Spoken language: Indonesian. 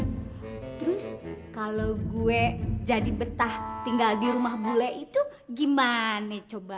terus kalau gue jadi betah tinggal di rumah bule itu gimana coba